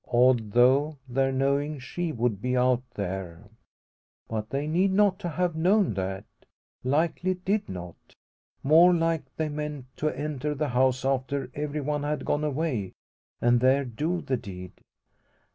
Odd, though, their knowing she would be out there. But they need not have known that likely did not. More like they meant to enter the house, after every one had gone away, and there do the deed.